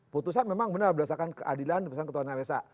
putusan memang benar berdasarkan keadilan berdasarkan ketuhanan resa